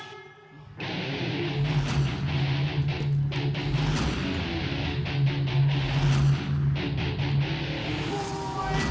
จากจังหวัดบุรีรัม